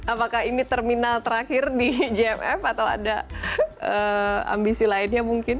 apakah ini terminal terakhir di jff atau ada ambisi lainnya mungkin